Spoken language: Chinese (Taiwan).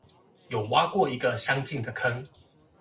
有挖過一個相近的坑